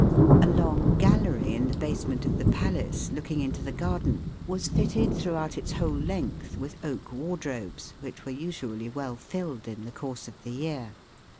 A long gallery in the basement of the palace, looking into the garden, was fitted throughout its whole length with oak wardrobes which were usually well filled in the course of the year.